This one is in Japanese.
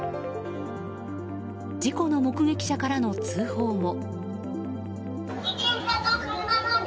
事故の目撃者からの通報も。